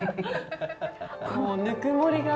こうぬくもりが。